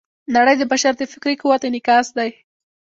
نړۍ د بشر د فکري قوت انعکاس دی.